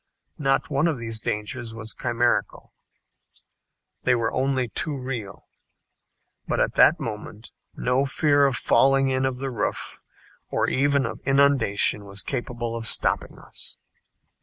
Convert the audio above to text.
Not one of these dangers was chimerical. They were only too real. But at that moment no fear of falling in of the roof, or even of inundation was capable of stopping us.